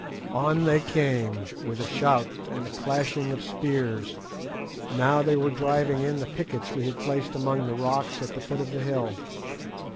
On they came, with a shout and the clashing of spears; now they were driving in the pickets we had placed among the rocks at the foot of the hill.